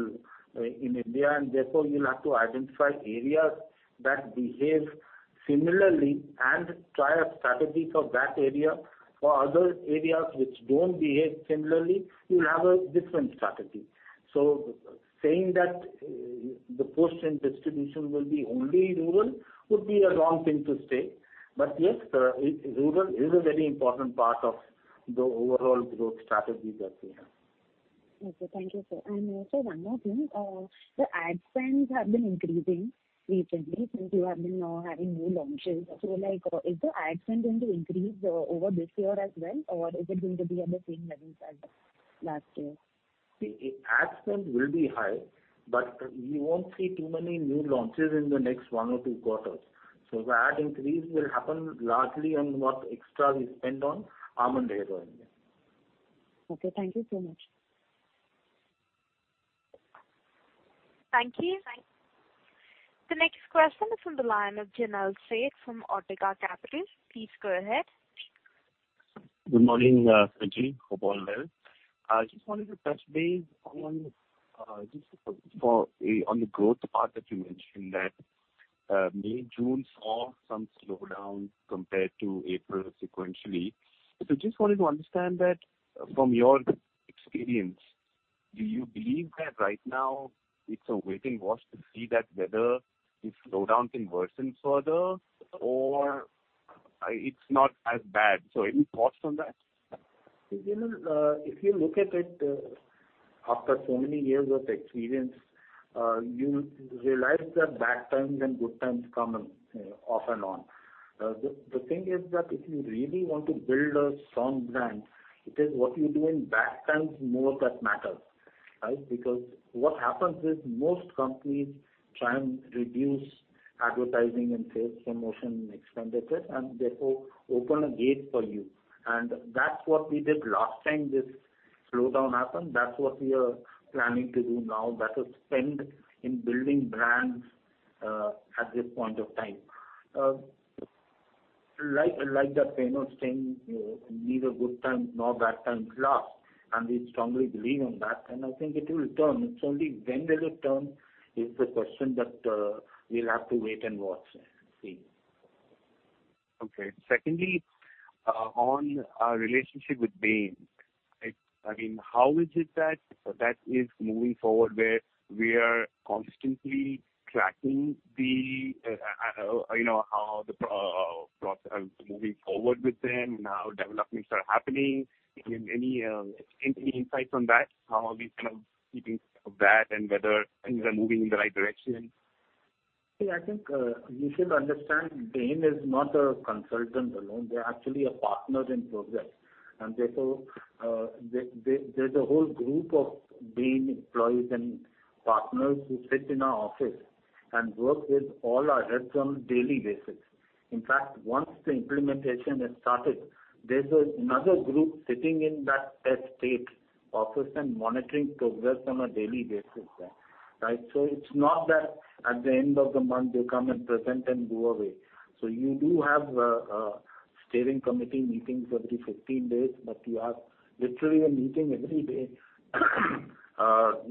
in India, and therefore, you'll have to identify areas that behave similarly and try a strategy for that area. For other areas which don't behave similarly, you'll have a different strategy. Saying that the post and distribution will be only rural would be a wrong thing to say. Yes, rural is a very important part of the overall growth strategy that we have. Okay. Thank you, sir. Also one more thing. Sir, ad spends have been increasing recently since you have been now having new launches. Is the ad spend going to increase over this year as well, or is it going to be at the same levels as last year? See, ad spend will be high, but you won't see too many new launches in the next one or two quarters. The ad increase will happen largely on what extra we spend on Almond Drops Hair Oil. Okay. Thank you so much. Thank you. The next question is from the line of Jinel Seth from Ortega Capital. Please go ahead. Good morning, Sumit. Hope all well. I just wanted to touch base on the growth part that you mentioned, that May, June saw some slowdown compared to April sequentially. Just wanted to understand that from your experience, do you believe that right now it's a waiting watch to see that whether this slowdown can worsen further or it's not as bad? Any thoughts on that? Jinel, if you look at it after so many years of experience, you realize that bad times and good times come off and on. The thing is that if you really want to build a strong brand, it is what you do in bad times more that matters. Because what happens is most companies try and reduce advertising and sales promotion expenditures, and therefore, open a gate for you. That's what we did last time this slowdown happened. That's what we are planning to do now. That is spend in building brands at this point of time. Like that famous saying, "Neither good times nor bad times last," and we strongly believe in that, and I think it will return. It's only when will it return is the question that we'll have to wait and watch and see. Okay. Secondly, on our relationship with Bain. How is it that that is moving forward, where we are constantly tracking how the process is moving forward with them and how developments are happening? Any insights on that, how are we kind of keeping that and whether things are moving in the right direction? I think you should understand, Bain is not a consultant alone. They're actually a partner in progress, and therefore, there's a whole group of Bain employees and partners who sit in our office and work with all our heads on a daily basis. In fact, once the implementation has started, there's another group sitting in that state office and monitoring progress on a daily basis there. It's not that at the end of the month, they come and present and go away. You do have a steering committee meeting every 15 days, but you have literally a meeting every day that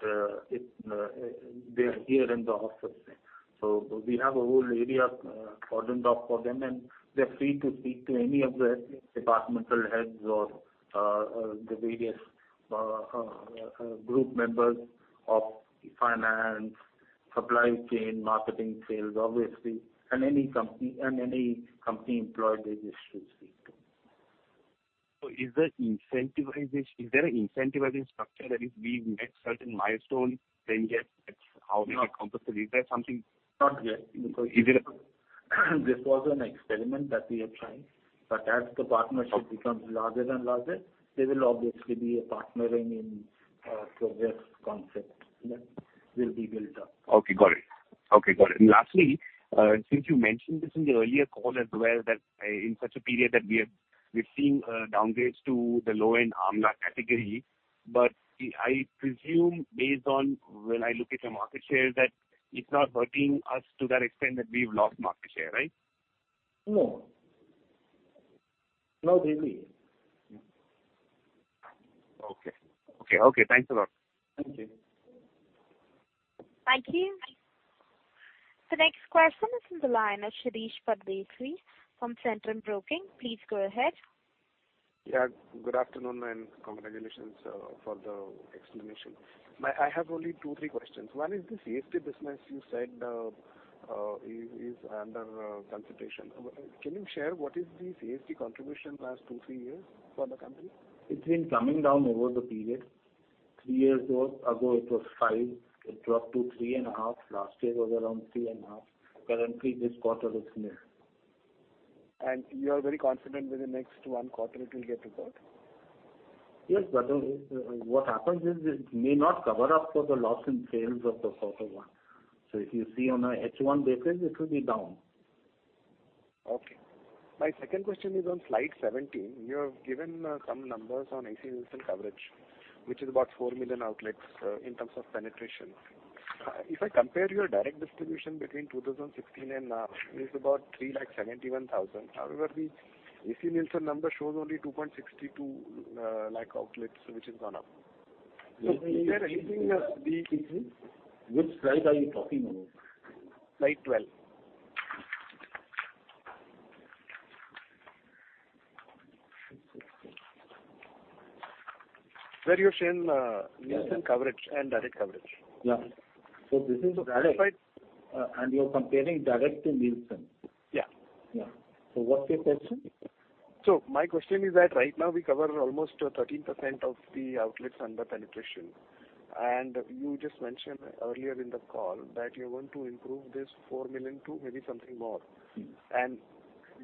they are here in the office. We have a whole area cordoned off for them, and they're free to speak to any of the departmental heads or the various group members of finance, supply chain, marketing, sales, obviously, and any company employee they just should speak to. Is there an incentivizing structure? That is, we've met certain milestones, then get X. How is it accomplished? Is there something? Not yet. This was an experiment that we are trying, but as the partnership becomes larger and larger, there will obviously be a partnering in progress concept that will be built up. Okay, got it. Lastly, since you mentioned this in the earlier call as well, that in such a period that we're seeing downgrades to the low-end Amla category, I presume based on when I look at the market share, that it's not hurting us to that extent that we've lost market share, right? No. Not really. Okay. Thanks a lot. Thank you. Thank you. The next question is on the line of Shirish Pardeshi from Centrum Broking. Please go ahead. Yeah, good afternoon and congratulations for the explanation. I have only two or three questions. One is the CSD business you said is under consideration. Can you share what is the CSD contribution last two, three years for the company? It's been coming down over the period. Three years ago, it was five. It dropped to three and a half. Last year was around three and a half. Currently, this quarter it's nil. You are very confident within the next one quarter it will get recovered? Yes. What happens is it may not cover up for the loss in sales of the quarter one. If you see on a H1 basis, it will be down. Okay. My second question is on slide 17. You have given some numbers on AC Nielsen coverage, which is about four million outlets in terms of penetration. If I compare your direct distribution between 2016 and now, it is about 371,000. However, the AC Nielsen number shows only 2.62 lakh outlets, which has gone up. Is there anything? Excuse me. Which slide are you talking about? Slide 12. Where you've shown Nielsen coverage and direct coverage. Yeah. This is direct, and you're comparing direct to Nielsen. Yeah. Yeah. What's your question? My question is that right now we cover almost 13% of the outlets under penetration. You just mentioned earlier in the call that you're going to improve this 4 million to maybe something more.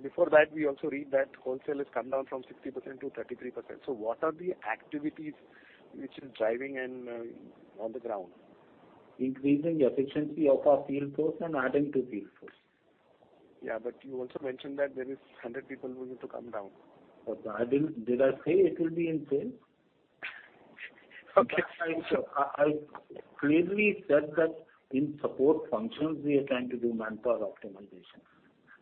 Before that, we also read that wholesale has come down from 60%-33%. What are the activities which is driving on the ground? Increasing efficiency of our field force and adding to field force. Yeah, you also mentioned that there is 100 people who need to come down. Did I say it will be in sales? Okay. I clearly said that in support functions, we are trying to do manpower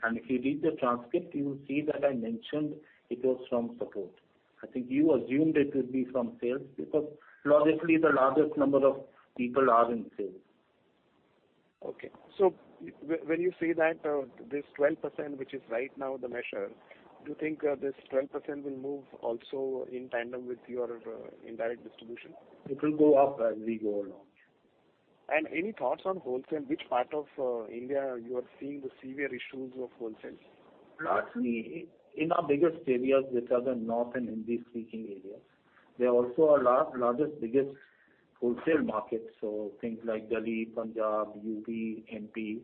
optimization. If you read the transcript, you will see that I mentioned it was from support. I think you assumed it would be from sales because logically, the largest number of people are in sales. Okay. When you say that this 12%, which is right now the measure, do you think this 12% will move also in tandem with your indirect distribution? It will go up as we go along. Any thoughts on wholesale? Which part of India you are seeing the severe issues of wholesale? Largely in our biggest areas, which are the north and Hindi-speaking areas. They are also our largest wholesale markets. Things like Delhi, Punjab, UP, MP.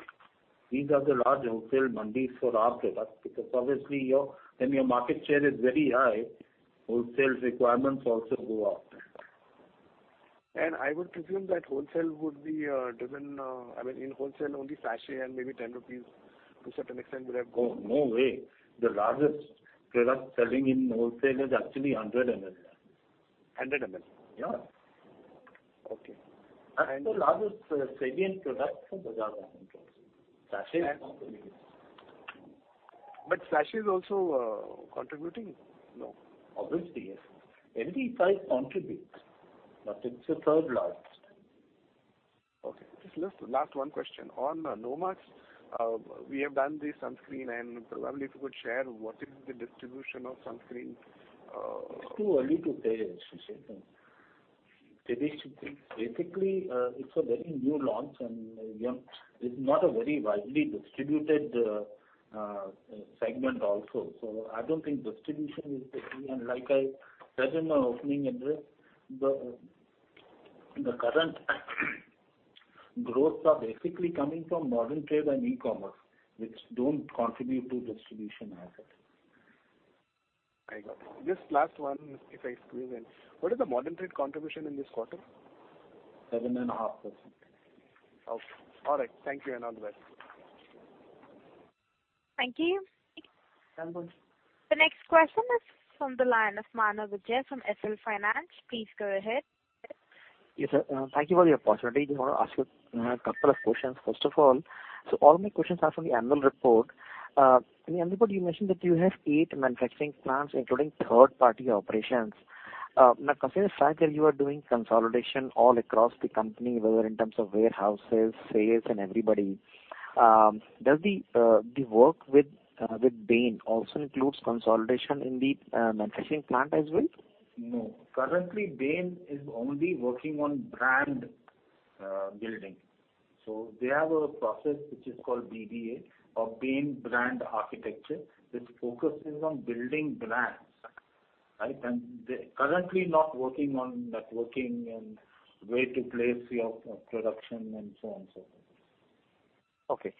These are the large wholesale mandis for our product, because obviously when your market share is very high, wholesale requirements also go up. I would presume that wholesale would be driven I mean, in wholesale, only sachet and maybe 10 rupees to a certain extent would have gone. No way. The largest product selling in wholesale is actually 100 ml. 100 ml? Yeah. Okay. That's the largest segment product for Bajaj Consumer Care. Sachets come beneath. Sachet is also contributing? No. Obviously, yes. Every size contributes, but it's the third largest. Okay. Just last one question. On Nomarks, we have done the sunscreen, and probably if you could share what is the distribution of sunscreen. It's too early to say, Shirish. It's a very new launch, and it's not a very widely distributed segment also. I don't think distribution is the key, and like I said in my opening address, the current growths are basically coming from modern trade and e-commerce, which don't contribute to distribution as such. I got it. Just last one if I squeeze in. What is the modern trade contribution in this quarter? 7.5%. Okay. All right. Thank you, and all the best. Thank you. Thank you. The next question is from the line of Manohar Vijay from SL Finance. Please go ahead. Yes, thank you for the opportunity. I want to ask you a couple of questions. First of all my questions are from the annual report. In the annual report, you mentioned that you have eight manufacturing plants, including third-party operations. Now, considering the fact that you are doing consolidation all across the company, whether in terms of warehouses, sales, and everybody, does the work with Bain also includes consolidation in the manufacturing plant as well? No. Currently, Bain is only working on brand building. They have a process which is called BBA, or Bain Brand Accelerator which focuses on building brands. Right? They're currently not working on networking and where to place your production and so on and so forth. Okay.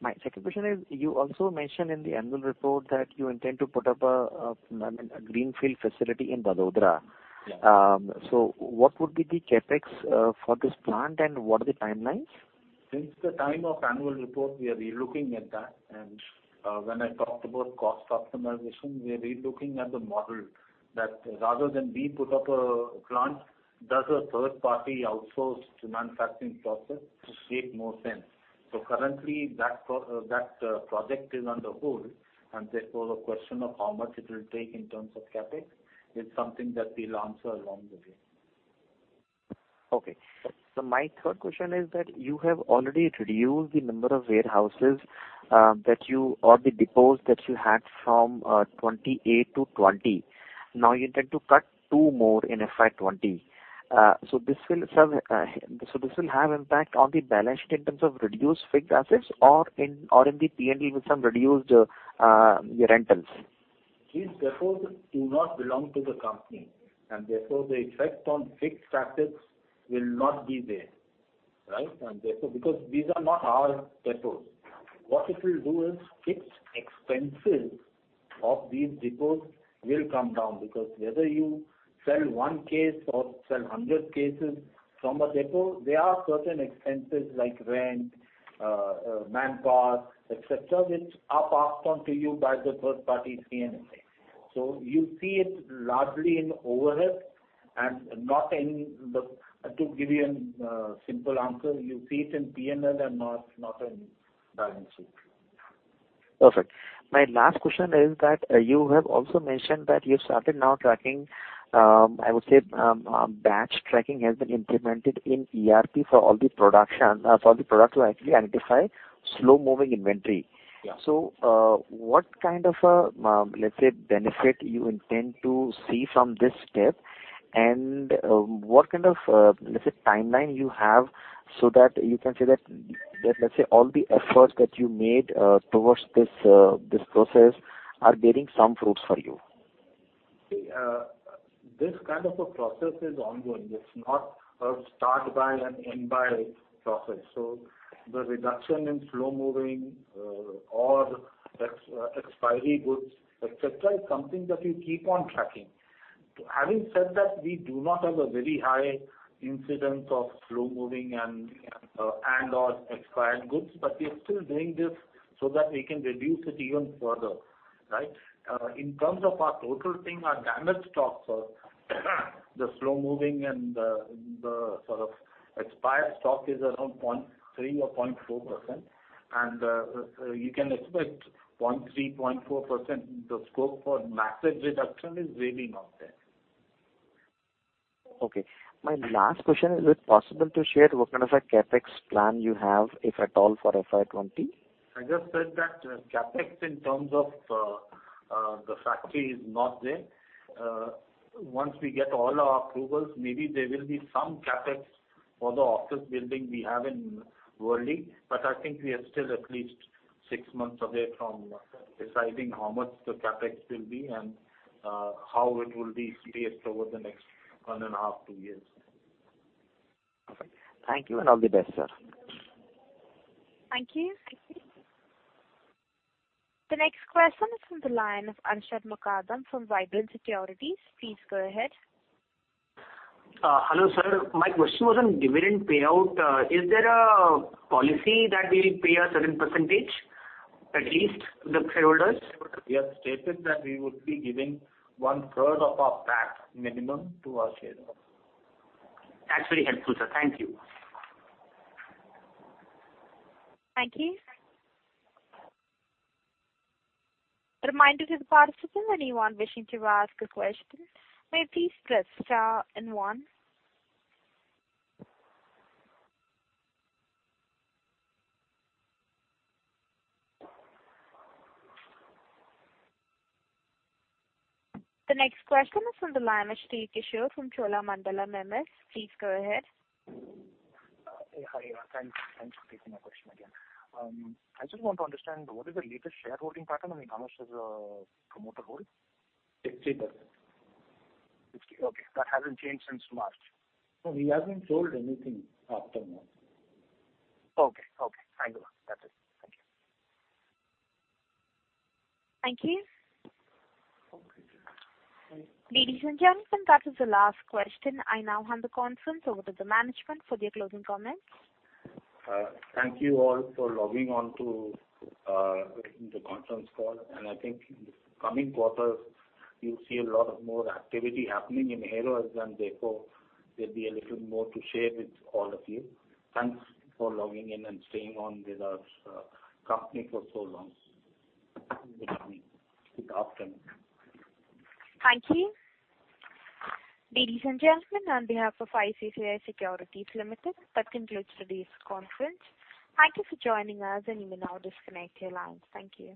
My second question is, you also mentioned in the annual report that you intend to put up a greenfield facility in Vadodara. Yeah. What would be the CapEx for this plant, and what are the timelines? Since the time of annual report, we are re-looking at that, and when I talked about cost optimization, we are re-looking at the model. That rather than we put up a plant, does a third party outsource the manufacturing process to make more sense. Currently, that project is on hold, and therefore the question of how much it will take in terms of CapEx is something that we'll answer along the way. Okay. My third question is that you have already reduced the number of warehouses, or the depots that you had from 28 to 20. Now you intend to cut two more in FY 2020. This will have impact on the balance sheet in terms of reduced fixed assets or in the P&L with some reduced rentals. These depots do not belong to the company, therefore the effect on fixed assets will not be there. Right? These are not our depots. What it will do is, fixed expenses of these depots will come down, whether you sell one case or sell 100 cases from a depot, there are certain expenses like rent, manpower, et cetera, which are passed on to you by the third-party 3PL. You see it largely in overhead and to give you a simple answer, you see it in P&L and not in balance sheet. Perfect. My last question is that you have also mentioned that you've started now tracking, I would say, batch tracking has been implemented in ERP for all the production, for the product to actually identify slow-moving inventory. Yeah. What kind of a, let's say, benefit you intend to see from this step and what kind of, let's say, timeline you have so that you can say that, let's say all the efforts that you made towards this process are bearing some fruits for you? See, this kind of a process is ongoing. It's not a start by and end by process. The reduction in slow-moving or expiry goods, et cetera, is something that we keep on tracking. Having said that, we do not have a very high incidence of slow-moving and/or expired goods, we are still doing this so that we can reduce it even further. Right? In terms of our total thing, our damaged stock, the slow-moving, and the sort of expired stock is around 0.3% or 0.4%, and you can expect 0.3%, 0.4%, the scope for massive reduction is really not there. Okay. My last question, is it possible to share what kind of a CapEx plan you have, if at all, for FY 2020? I just said that CapEx in terms of the factory is not there. Once we get all our approvals, maybe there will be some CapEx for the office building we have in Worli, but I think we are still at least six months away from deciding how much the CapEx will be and how it will be spaced over the next one and a half, two years. Perfect. Thank you and all the best, sir. Thank you. The next question is from the line of Arshad Mukadam from Vibrant Securities. Please go ahead. Hello, sir. My question was on dividend payout. Is there a policy that we pay a certain percentage, at least to the shareholders? We have stated that we would be giving one-third of our PAT minimum to our shareholders. That's very helpful, sir. Thank you. Thank you. A reminder to the participants, anyone wishing to ask a question, may please press star and one. The next question is from the line of Sri Kishore from Cholamandalam MS. Please go ahead. Hi. Thanks for taking my question again. I just want to understand what is the latest shareholding pattern on the promoter hold? 60%. 60%, okay. That hasn't changed since March. No, he hasn't sold anything after March. Okay. Thank you. That's it. Thank you. Thank you. Okay. Ladies and gentlemen, that is the last question. I now hand the conference over to the management for their closing comments. Thank you all for logging on to the conference call. I think in the coming quarters, you'll see a lot of more activity happening in Hero as and therefore there'll be a little more to share with all of you. Thanks for logging in and staying on with our company for so long. Good afternoon. Thank you. Ladies and gentlemen, on behalf of ICICI Securities Limited, that concludes today's conference. Thank you for joining us. You may now disconnect your lines. Thank you.